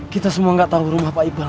kita semua gak tau rumah pak iqbal